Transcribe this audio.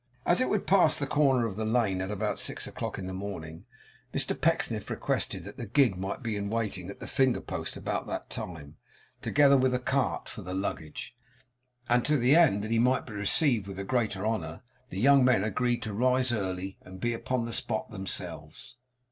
As it would pass the corner of the lane at about six o'clock in the morning, Mr Pecksniff requested that the gig might be in waiting at the finger post about that time, together with a cart for the luggage. And to the end that he might be received with the greater honour, the young men agreed to rise early, and be upon the spot themselves.